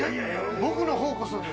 僕のほうこそです。